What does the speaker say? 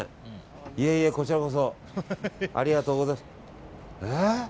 いえいえ、こちらこそありがとうございます。